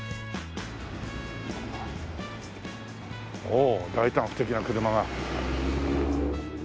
おお大胆不敵な車が。